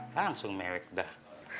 langsung mewek dah